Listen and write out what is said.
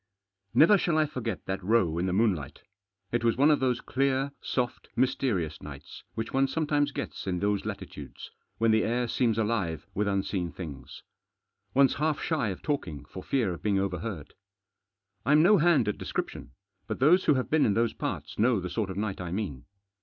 NEVER shall I forget that row in the moonlight. It was one of those clear, soft, mysterious nights, which one sometimes gets in those latitudes, when the air seems alive with unseen things. One's half shy of talking for fear of being overheard. I'm no hand at description, but those who have been in those parts know the sort of night I mean.